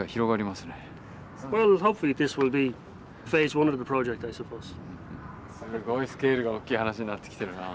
すごいスケールが大きい話になってきてるなぁ。